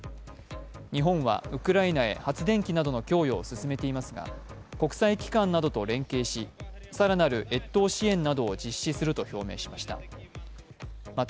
日本は、ウクライナへ発電機などの供与を進めていますが国際機関などと連携し、更なる越冬支援などを実施すると表明しました。